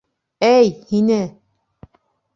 Әй, һине!